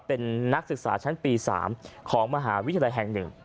เป็นนักศึกษาชั้นปี๓ของมหาวิทยาลัยแห่ง๑